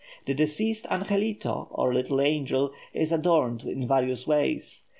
The deceased angelito, or little angel, is adorned in various ways.